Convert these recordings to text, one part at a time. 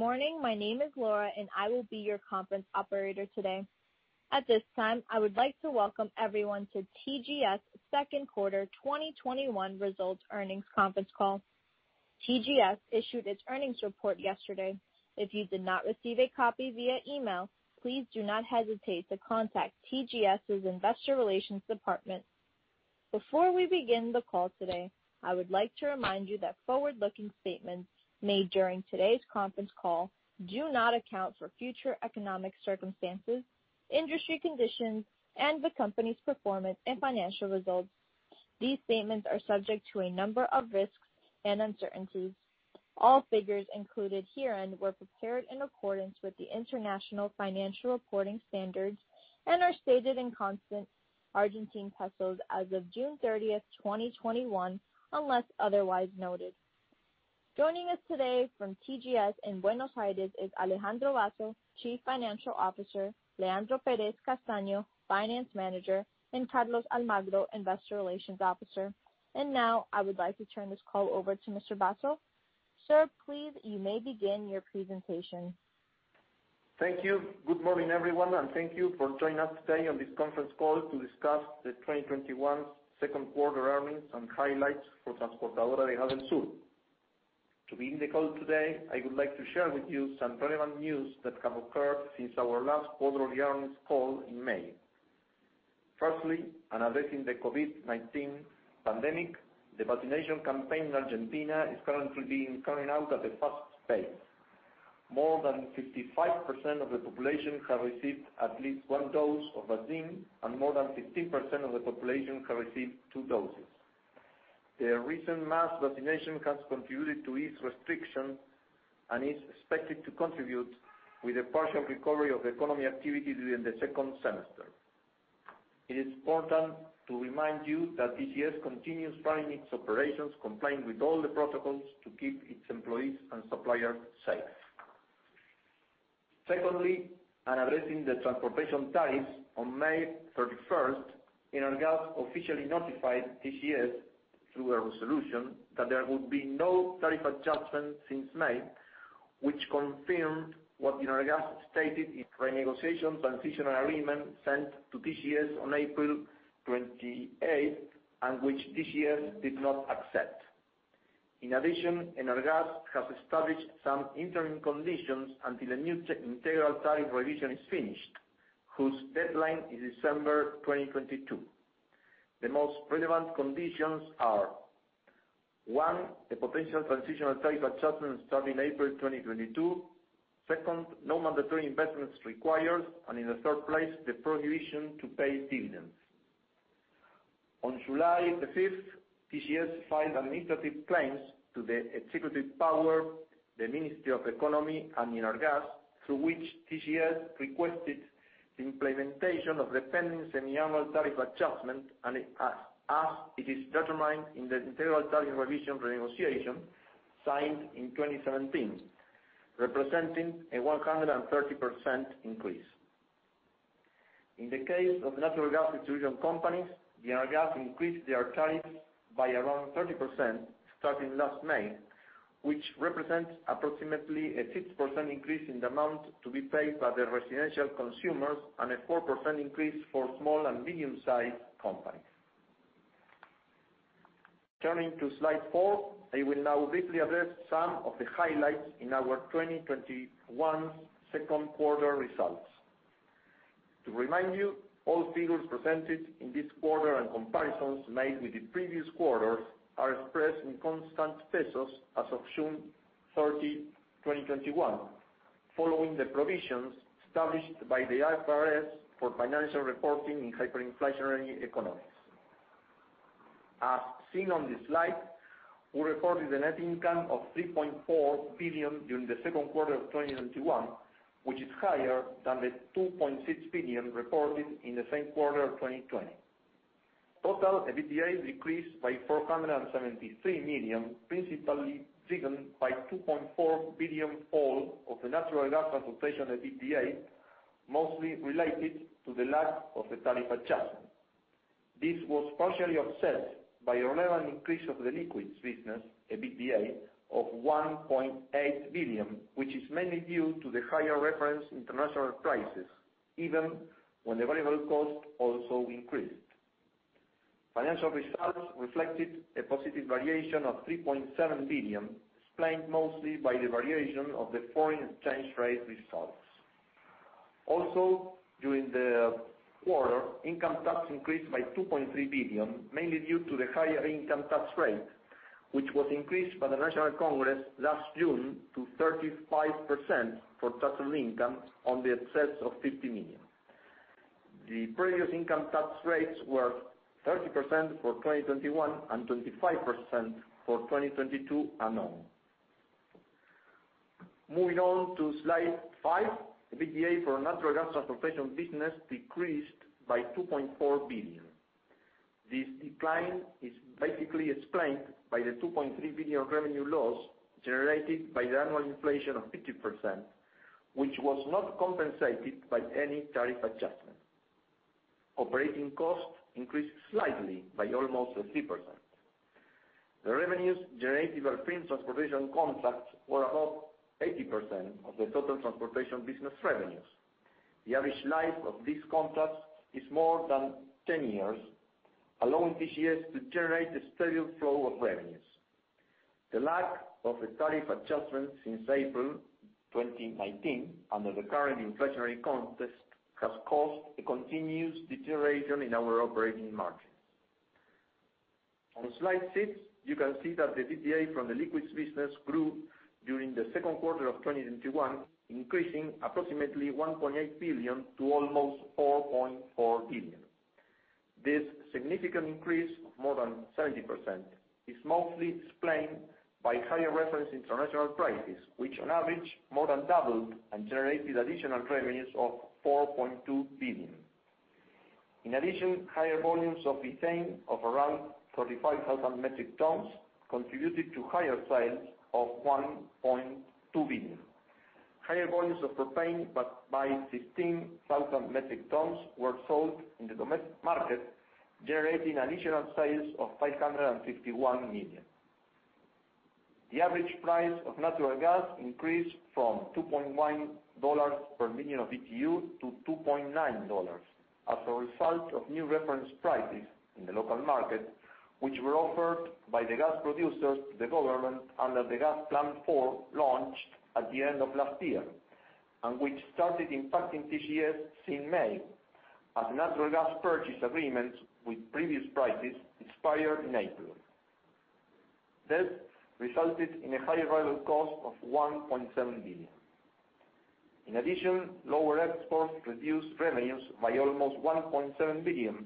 Morning. My name is Laura. I will be your conference operator today. At this time, I would like to welcome everyone to TGS' second quarter 2021 results earnings conference call. TGS issued its earnings report yesterday. If you did not receive a copy via email, please do not hesitate to contact TGS's Investor Relations Department. Before we begin the call today, I would like to remind you that forward-looking statements made during today's conference call do not account for future economic circumstances, industry conditions, and the company's performance and financial results. These statements are subject to a number of risks and uncertainties. All figures included herein were prepared in accordance with the International Financial Reporting Standards and are stated in constant Argentine pesos as of June 30th, 2021, unless otherwise noted. Joining us today from TGS in Buenos Aires is Alejandro Basso, Chief Financial Officer, Leandro Perez Castaño, Finance Manager, and Carlos Almagro, Investor Relations Officer. Now, I would like to turn this call over to Mr. Basso. Sir, please, you may begin your presentation. Thank you. Good morning, everyone, and thank you for joining us today on this conference call to discuss the 2021 Second Quarter earnings and highlights for Transportadora de Gas del Sur. To begin the call today, I would like to share with you some relevant news that have occurred since our last quarterly earnings call in May. Firstly, on addressing the COVID-19 pandemic, the vaccination campaign in Argentina is currently being carried out at a fast pace. More than 55% of the population have received at least one dose of vaccine, and more than 15% of the population have received two doses. The recent mass vaccination has contributed to ease restriction and is expected to contribute with a partial recovery of economy activity during the second semester. It is important to remind you that TGS continues running its operations compliant with all the protocols to keep its employees and suppliers safe. Secondly on addressing the transportation tariffs, on May 31st, ENARGAS officially notified TGS through a resolution that there would be no tariff adjustment since May, which confirmed what ENARGAS stated in renegotiation transitional agreement sent to TGS on April 28th, which TGS did not accept. ENARGAS has established some interim conditions until the new integral tariff revision is finished, whose deadline is December 2022. The most relevant conditions are, one, the potential transitional tariff adjustment starting April 2022. Second, no mandatory investments required. In the third place, the prohibition to pay dividends. On July 5th, TGS filed administrative claims to the Executive Power, the Ministry of Economy, and ENARGAS, through which TGS requested the implementation of the pending semi-annual tariff adjustment as it is determined in the integral tariff revision renegotiation signed in 2017, representing a 130% increase. In the case of natural gas distribution companies, ENARGAS increased their tariffs by around 30% starting last May, which represents approximately a 6% increase in the amount to be paid by the residential consumers and a 4% increase for small and medium-sized companies. Turning to slide four, I will now briefly address some of the highlights in our 2021 second quarter results. To remind you, all figures presented in this quarter and comparisons made with the previous quarters are expressed in constant pesos as of June 30, 2021, following the provisions established by the IFRS for financial reporting in hyperinflationary economies. As seen on this slide, we recorded a net income of 3.4 billion during the second quarter of 2021, which is higher than the 2.6 billion reported in the same quarter of 2020. Total EBITDA decreased by 473 million, principally driven by 2.4 billion fall of the natural gas transportation EBITDA, mostly related to the lack of a tariff adjustment. This was partially offset by relevant increase of the liquids business EBITDA of 1.8 billion, which is mainly due to the higher reference international prices, even when the variable cost also increased. Financial results reflected a positive variation of 3.7 billion, explained mostly by the variation of the foreign exchange rate results. During the quarter, income tax increased by 2.3 billion, mainly due to the higher income tax rate, which was increased by the National Congress last June to 35% for taxable income on the excess of 50 million. The previous income tax rates were 30% for 2021 and 25% for 2022 and on. Moving on to slide five, EBITDA for natural gas transportation business decreased by 2.4 billion. This decline is basically explained by the 2.3 billion revenue loss generated by the annual inflation of 50%, which was not compensated by any tariff adjustment. Operating costs increased slightly by almost 3%. The revenues generated by firm transportation contracts were above 80% of the total transportation business revenues. The average life of these contracts is more than 10 years, allowing TGS to generate a steady flow of revenues. The lack of a tariff adjustment since April 2019 under the current inflationary context has caused a continuous deterioration in our operating margins. On slide six, you can see that the EBITDA from the liquids business grew during Q2 2021, increasing approximately 1.8 billion to almost 4.4 billion. This significant increase of more than 70% is mostly explained by higher reference international prices, which on average, more than doubled and generated additional revenues of 4.2 billion. In addition, higher volumes of ethane of around 35,000 metric tons contributed to higher sales of 1.2 billion. Higher volumes of propane by 16,000 metric tons were sold in the domestic market, generating additional sales of 551 million. The average price of natural gas increased from ARS 2.1 per million of BTU to ARS 2.9 as a result of new reference prices in the local market, which were offered by the gas producers to the government under the Plan Gas 4 launched at the end of last year, and which started impacting TGS in May as natural gas purchase agreements with previous prices expired in April. This resulted in a higher variable cost of 1.7 billion. In addition, lower exports reduced revenues by almost 1.7 billion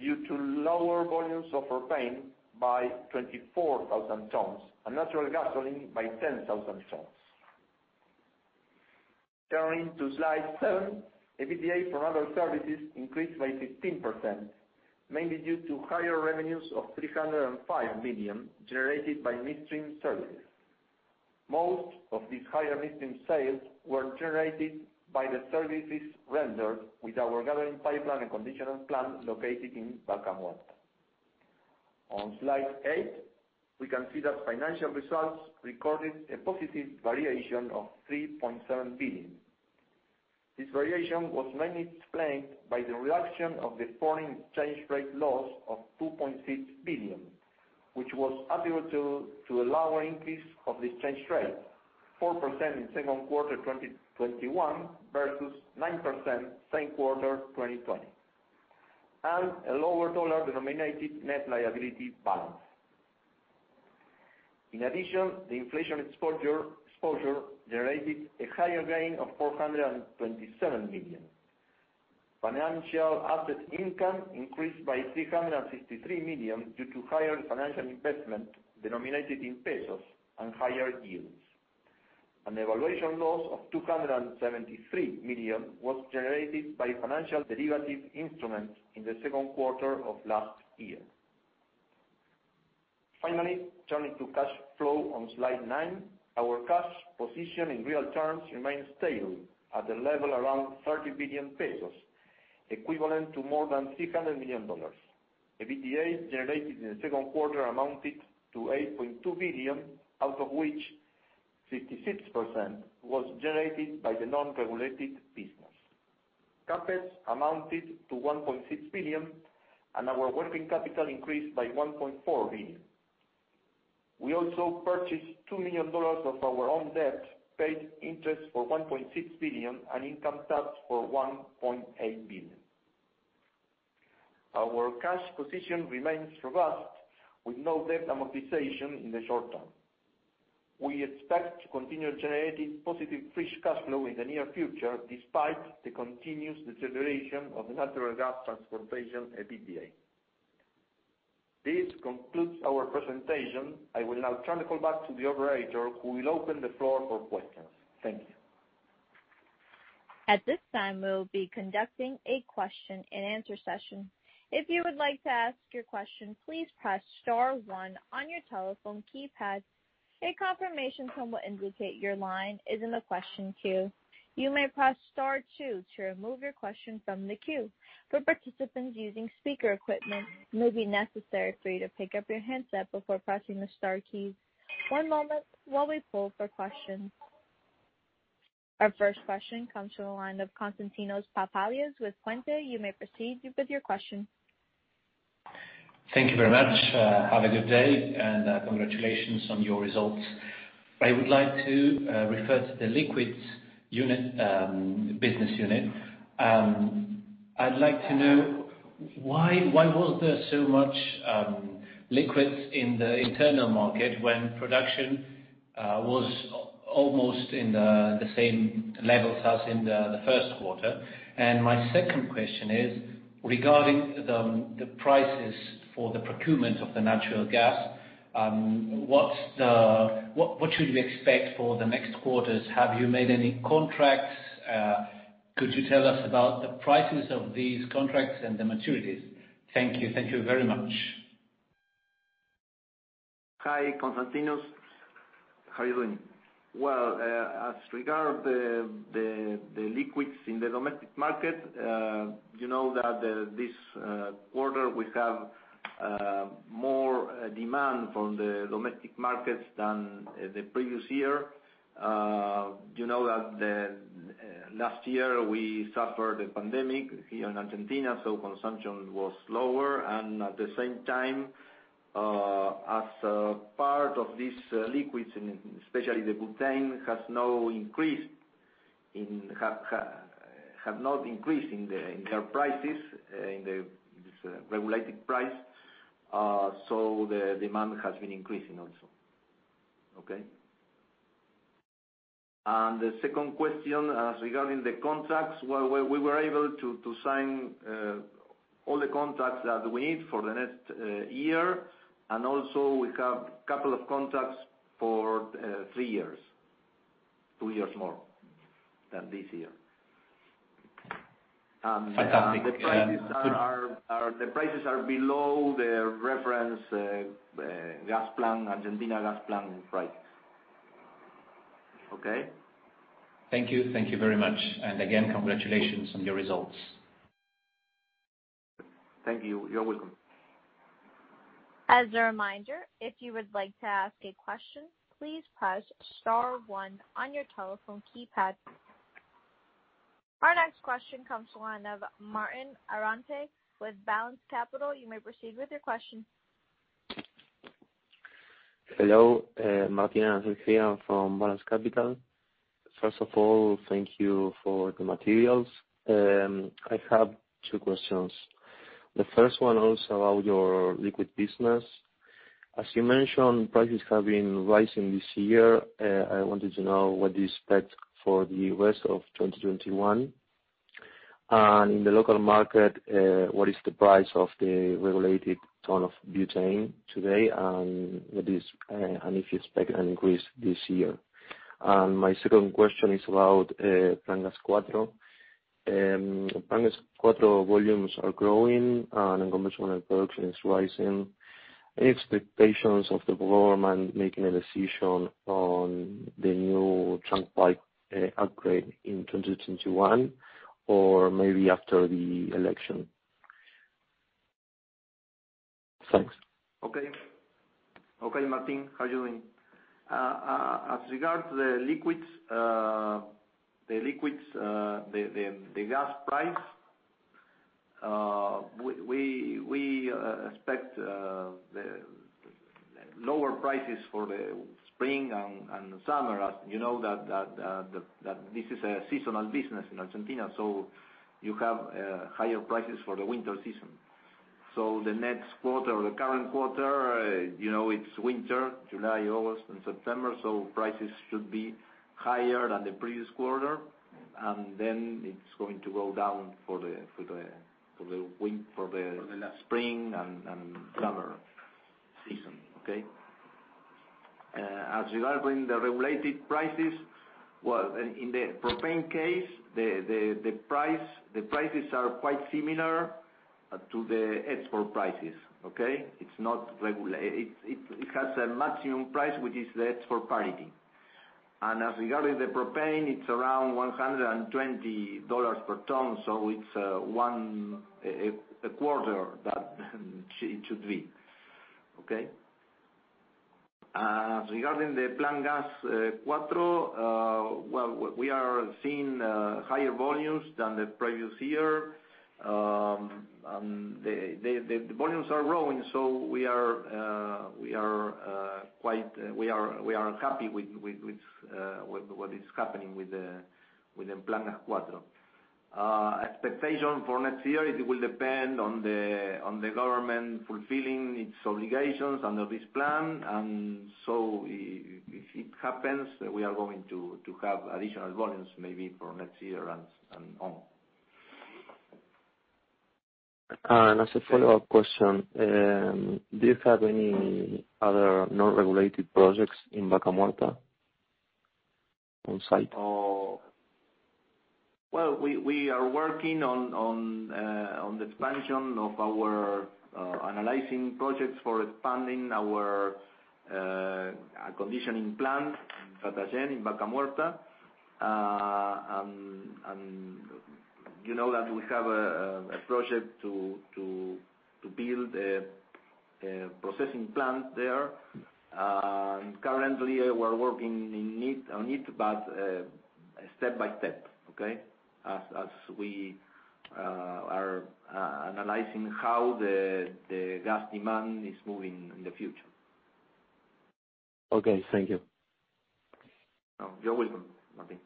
due to lower volumes of propane by 24,000 tons and natural gasoline by 10,000 tons. Turning to slide seven, EBITDA from other services increased by 15%, mainly due to higher revenues of 305 million generated by midstream services. Most of these higher midstream sales were generated by the services rendered with our gathering pipeline and conditioning plant located in Vaca Muerta. On slide eight, we can see that financial results recorded a positive variation of 3.7 billion. This variation was mainly explained by the reduction of the foreign exchange rate loss of 2.6 billion, which was attributable to a lower increase of the exchange rate, 4% in Q2 2021 versus 9% Q2 2020, and a lower dollar-denominated net liability balance. In addition, the inflation exposure generated a higher gain of 427 million. Financial asset income increased by 363 million due to higher financial investment denominated in ARS and higher yields. An evaluation loss of 273 million was generated by financial derivative instruments in the second quarter of last year. Finally, turning to cash flow on slide nine, our cash position in real terms remains stable at a level around 30 billion pesos, equivalent to more than $300 million. EBITDA generated in the second quarter amounted to 8.2 billion, out of which 66% was generated by the non-regulated business. CapEx amounted to 1.6 billion. Our working capital increased by 1.4 billion. We also purchased ARS 2 million of our own debt, paid interest for 1.6 billion. Income tax for 1.8 billion. Our cash position remains robust with no debt amortization in the short term. We expect to continue generating positive fresh cash flow in the near future, despite the continuous deterioration of natural gas transportation at EBITDA. This concludes our presentation. I will now turn the call back to the operator, who will open the floor for questions. Thank you. At this time, we will be conducting a question and answer session. If you would like to ask your question, please press star one on your telephone keypad. A confirmation tone will indicate your line is in the question queue. You may press star two to remove your question from the queue. For participants using speaker equipment, it may be necessary for you to pick up your handset before pressing the star key. One moment while we pull for questions. Our first question comes from the line of Konstantinos Papalias with Puente. You may proceed with your question. Thank you very much. Have a good day. Congratulations on your results. I would like to refer to the liquids business unit. I'd like to know why was there so much liquids in the internal market when production was almost in the same levels as in the first quarter? My second question is: Regarding the prices for the procurement of the natural gas, what should we expect for the next quarters? Have you made any contracts? Could you tell us about the prices of these contracts and the maturities? Thank you. Thank you very much. Hi, Konstantinos. How are you doing? Well, as regards the liquids in the domestic market, you know that this quarter we have more demand from the domestic markets than the previous year. You know that last year we suffered the pandemic here in Argentina, consumption was lower. At the same time, as a part of these liquids, and especially the butane, have not increased in their prices, in the regulated price. The demand has been increasing also. Okay. The second question, as regards the contracts, well, we were able to sign all the contracts that we need for the next year, and also we have couple of contracts for three years. Two years more than this year. Fantastic. The prices are below the reference Gas Plan, Argentina Gas Plan prices. Okay? Thank you. Thank you very much. Again, congratulations on your results. Thank you. You're welcome. As a reminder, if you would like to ask a question, please press star one on your telephone keypad. Our next question comes to line of Martín Arancet with Balanz Capital. You may proceed with your question. Hello, Martín Arancet here from Balanz Capital. First of all, thank you for the materials. I have two questions. The first one also about your liquids business. As you mentioned, prices have been rising this year. I wanted to know what you expect for the rest of 2021. In the local market, what is the price of the regulated ton of butane today, and if you expect an increase this year? My second question is about Plan Gas 4. Plan Gas 4 volumes are growing and unconventional oil production is rising. Any expectations of the government making a decision on the new trunk pipe upgrade in 2021 or maybe after the election? Thanks. Okay, Martín. How are you doing? As regard to the liquids, the gas price, we expect the lower prices for the spring and the summer, as you know that this is a seasonal business in Argentina. You have higher prices for the winter season. The next quarter or the current quarter, it's winter, July, August, and September. Prices should be higher than the previous quarter. For spring and summer season. Okay? Regarding the regulated prices, well, in the propane case, the prices are quite similar to the export prices. Okay? It has a maximum price, which is the export parity. Regarding the propane, it's around $120 per ton. It's a quarter that it should be. Okay? Regarding the Plan Gas 4, well, we are seeing higher volumes than the previous year. The volumes are growing, so we are happy with what is happening with the Plan Gas 4. Expectation for next year, it will depend on the government fulfilling its obligations under this plan. If it happens, we are going to have additional volumes maybe for next year and on. As a follow-up question, do you have any other non-regulated projects in Vaca Muerta on site? Well, we are working on the expansion of our analyzing projects for expanding our conditioning plant, Tratayén, in Vaca Muerta. You know that we have a project to build a processing plant there, and currently, we're working on it, but step by step, okay? As we are analyzing how the gas demand is moving in the future. Okay. Thank you. You're welcome, Martín.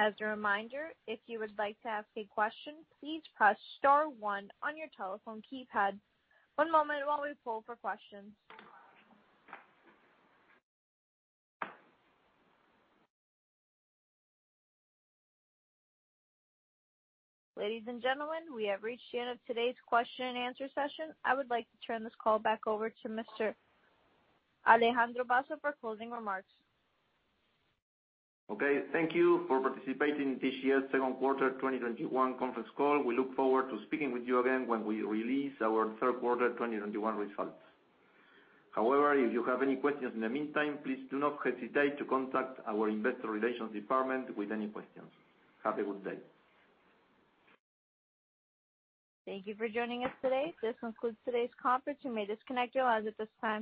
As a reminder, if you would like to ask a question, please press star one on your telephone keypad. One moment while we poll for questions. Ladies and gentlemen, we have reached the end of today's question and answer session. I would like to turn this call back over to Mr. Alejandro Basso for closing remarks. Okay. Thank you for participating in TGS second quarter 2021 conference call. We look forward to speaking with you again when we release our third quarter 2021 results. If you have any questions in the meantime, please do not hesitate to contact our investor relations department with any questions. Have a good day. Thank you for joining us today. This concludes today's conference. You may disconnect your lines at this time.